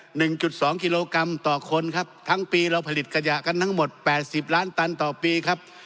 หนึ่งจุดสองกิโลกรัมต่อคนครับทั้งปีเราผลิตขยะกันทั้งหมดแปดสิบล้านตันต่อปีครับ